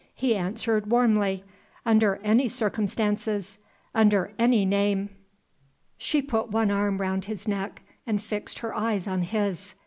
He answered, warmly, "Under any circumstances! under any name!" She put one arm round his neck, and fixed her eyes on his.